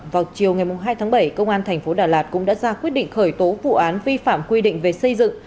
vào chiều ngày hai tháng bảy công an thành phố đà lạt cũng đã ra quyết định khởi tố vụ án vi phạm quy định về xây dựng